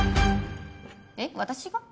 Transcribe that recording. えっ私が？